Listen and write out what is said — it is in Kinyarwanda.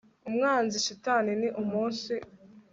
umwanzi shitani, ni umunsi